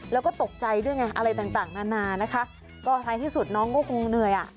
แล้วก็ตกใจด้วยไงอะไรต่างนานานะคะก็ท้ายที่สุดน้องก็คงเหนื่อยอ่ะ